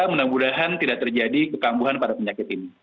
mudah mudahan tidak terjadi kekambuhan pada penyakit ini